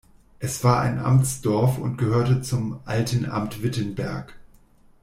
Es war ein Amtsdorf und gehörte zum „Alten Amt Wittenberg“.